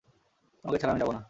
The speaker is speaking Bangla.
তোমাকে ছাড়া আমি যাব না।